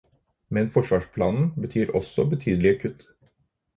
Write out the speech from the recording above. Men forsvarsplanen betyr også betydelige kutt.